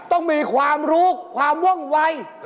ต้องมีความรู้ความว่องวัย